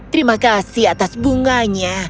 terima kasih atas bunganya